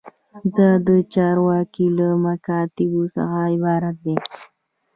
دا د چارواکو له مکاتیبو څخه عبارت دی.